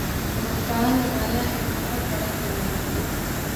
بہتان لگانا ایک بہت بڑا گناہ ہے